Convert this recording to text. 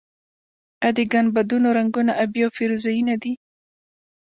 آیا د ګنبدونو رنګونه ابي او فیروزه یي نه دي؟